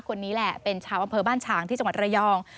คนนี้แหละเป็นชาวอำเภอบ้านฉางที่จังหวัดระยอง